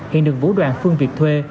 hiện được vũ đoàn phương việt thuê